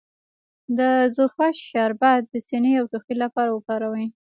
د زوفا شربت د سینې او ټوخي لپاره وکاروئ